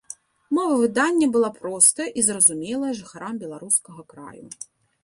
Мова выдання была простая і зразумелая жыхарам беларускага краю.